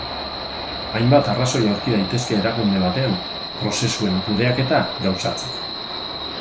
Hainbat arrazoi aurki daitezke erakunde batean Prozesuen kudeaketa gauzatzeko.